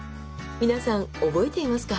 皆さん覚えていますか？